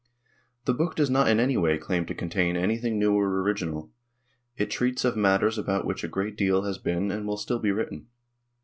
The book does not in any way claim to contain anything new or original. It treats of matters about which a great deal has been and will still be written.